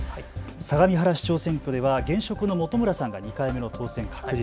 相模原市長選挙では現職の本村さんが２回目の当選確実。